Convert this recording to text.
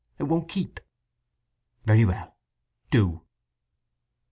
It won't keep." "Very well—do."